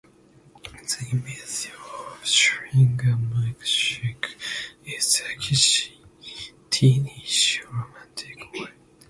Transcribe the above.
The image of sharing a milkshake is a kitschy, teenish, romantic one.